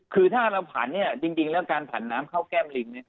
คือถ้าเราผันเนี่ยจริงแล้วการผันน้ำเข้าแก้มลิง